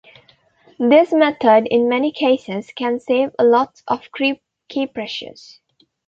This method, in many cases, can save a lots of key presses.